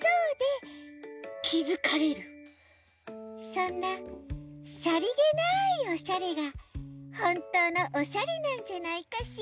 そんなさりげないおしゃれがほんとうのおしゃれなんじゃないかしら。